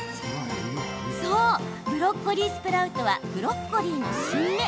そう、ブロッコリースプラウトはブロッコリーの新芽。